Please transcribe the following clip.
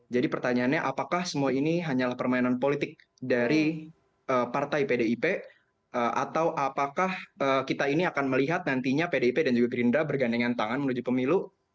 jadi pertanyaannya apakah semua ini hanyalah permainan politik dari partai pdip atau apakah kita ini akan melihat nantinya pdip dan juga pirindra bergandengan tangan menuju pemilu